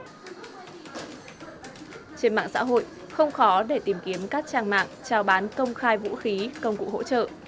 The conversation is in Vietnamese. trên mạng xã hội không khó để tìm kiếm các trang mạng trao bán công khai vũ khí công cụ hỗ trợ